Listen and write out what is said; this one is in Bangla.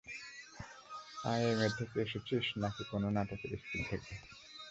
আইএমএ থেকে এসেছিস নাকি কোন নাটকের স্কুল থেকে?